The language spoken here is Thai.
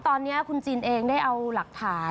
ตอนนี้คุณจีนเองได้เอาหลักฐาน